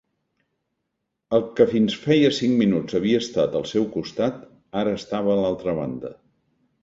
El que fins feia cinc minuts havia estat al seu costat, ara estava a l'altra banda.